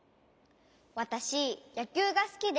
わたしやきゅうがすきで。